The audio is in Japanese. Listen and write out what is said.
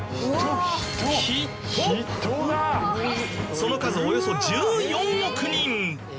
その数およそ１４億人。